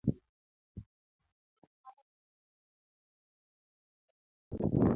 higa mar eluf ario gi apar gi aboro